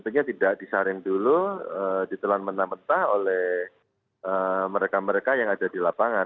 artinya tidak disaring dulu ditelan mentah mentah oleh mereka mereka yang ada di lapangan